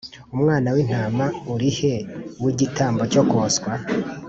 Umwana w intama uri he w igitambo cyo koswa